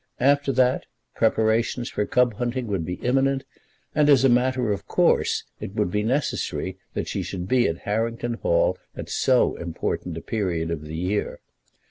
After that, preparations for cub hunting would be imminent, and, as a matter of course, it would be necessary that she should be at Harrington Hall at so important a period of the year.